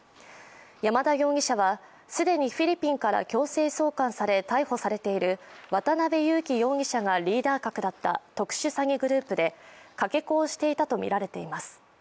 山田容疑者は既にフィリピンから強制送還され逮捕されている渡辺優樹容疑者がリーダー格だった特殊詐欺グループで、かけ子をしていたとみられています。